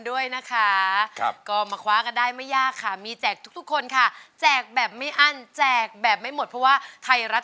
โดยผู้เข้าแข่งขันมีสิทธิ์ใช้ตัวช่วย๓ใน๖แผ่นป้ายตลอดการแข่งขัน